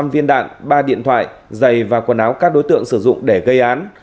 năm viên đạn ba điện thoại giày và quần áo các đối tượng sử dụng để gây án